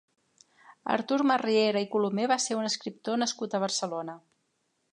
Artur Masriera i Colomer va ser un escriptor nascut a Barcelona.